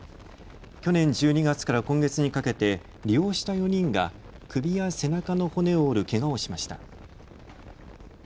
去年１２月から今月にかけて利用した４人が首や背中の骨を折るけがをしました。